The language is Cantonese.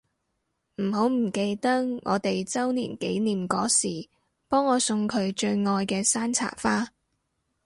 唔好唔記得我哋週年紀念嗰時幫我送佢最愛嘅山茶花